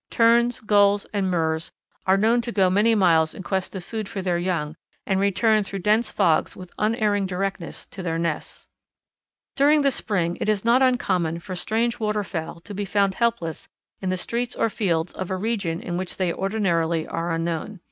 Terns, Gulls, and Murres are known to go many miles in quest of food for their young and return through dense fogs with unerring directness to their nests. [Illustration: Lighthouses Cause the Death of Many Birds] During the spring it is not uncommon for strange waterfowl to be found helpless in the streets or fields of a region in which they are ordinarily unknown.